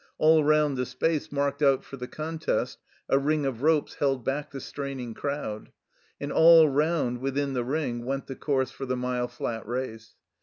All round the space marked out for the contest, a ring of ropes held back the straining crowd; and all round, within the ring, went the course for the mile flat race.